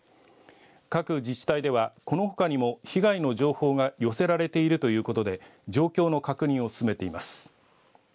各自治体では、このほかにも被害の情報が寄せられているということで状況の確認を進めています。